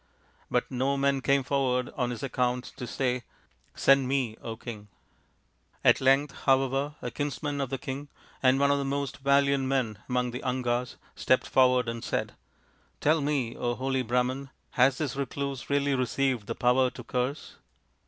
But no man came forward on his own account to say, " Send me, King !" At length, however, a kinsman of the king, and one of the most valiant men among the Angas, stepped forward and said, " Tell me, holy Brah man, has this recluse really received the power to curse